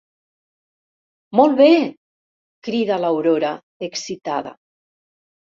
Molt bé! —crida l'Aurora, excitada—.